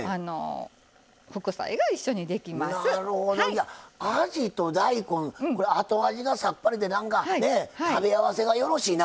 じゃああじと大根これ「後味」がさっぱりで何かね食べ合わせがよろしいな。